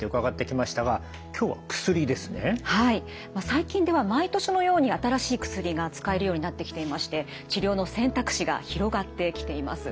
最近では毎年のように新しい薬が使えるようになってきていまして治療の選択肢が広がってきています。